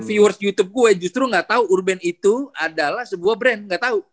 empat puluh viewers youtube gue justru gak tau urbane itu adalah sebuah brand gak tau